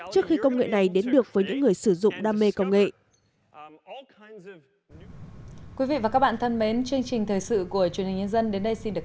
trước khi công nghệ này đến được với những người sử dụng đam mê công nghệ